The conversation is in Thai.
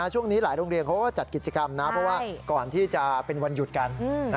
ช่วงนี้หลายโรงเรียนเขาก็จัดกิจกรรมนะเพราะว่าก่อนที่จะเป็นวันหยุดกัน